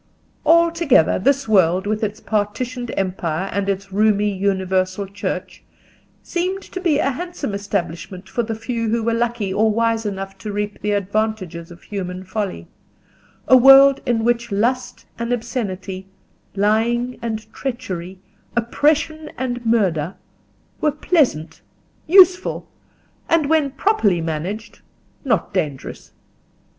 Altogether this world, with its partitioned empire and its roomy universal Church, seemed to be a handsome establishment for the few who were lucky or wise enough to reap the advantages of human folly: a world in which lust and obscenity, lying and treachery, oppression and murder, were pleasant, useful, and when properly managed, not dangerous.